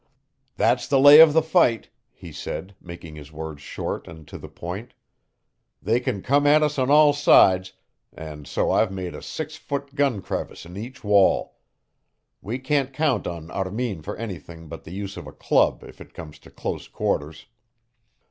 "That's the lay of the fight," he said, making his words short and to the point. "They can come at us on all sides, and so I've made a six foot gun crevice in each wall. We can't count on Armin for anything but the use of a club if it comes to close quarters.